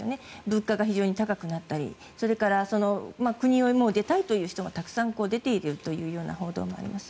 物価が非常に高くなったりそれから国を出たいという人がたくさん出ているというような報道もあります。